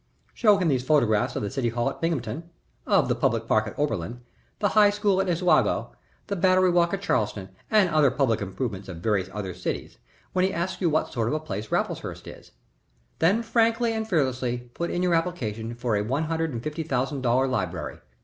Show him these photographs of the City Hall at Binghamton, of the public park at Oberlin, the high school at Oswego, the battery walk at Charleston and other public improvements of various other cities, when he asks you what sort of a place Raffleshurst is; then frankly and fearlessly put in your application for a one hundred and fifty thousand dollar library.